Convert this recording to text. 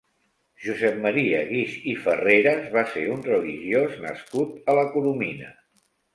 Josep Maria Guix i Ferreres va ser un religiós nascut a la Coromina.